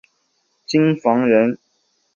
京房人。